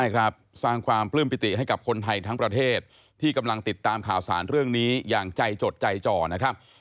ใช่ครับสร้างความปลื้มปิติให้กับคนไทยทั้งประเทศที่กำลังติดตามข่าวสารเรื่องนี้อย่างใจจดใจจ่อนะครับ